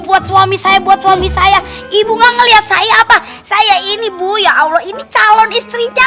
buat suami saya buat suami saya ibu enggak ngelihat saya apa saya ini bu ya allah ini calon istrinya